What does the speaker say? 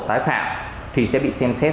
tái phạm thì sẽ bị xem xét